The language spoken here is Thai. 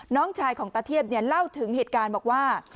น้องชายของตาเทียบเล่าถึงเหตุการณ์บอกว่า